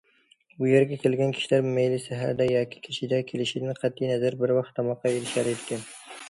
بۇ يەرگە كەلگەن كىشىلەر مەيلى سەھەردە ياكى كېچىدە كېلىشىدىن قەتئىينەزەر بىر ۋاق تاماققا ئېرىشەلەيدىكەن.